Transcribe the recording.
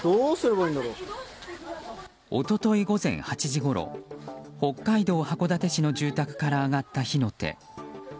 一昨日午前８時ごろ北海道函館市の住宅から上がった火の手。